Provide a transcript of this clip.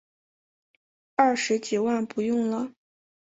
二十几万不用了